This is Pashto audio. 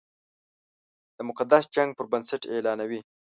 د مقدس جنګ پر بنسټ اعلانوي.